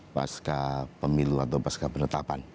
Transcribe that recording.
pasca pemilu atau pasca penetapan